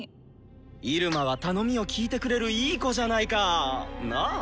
イルマは頼みを聞いてくれるいい子じゃないか。なぁ？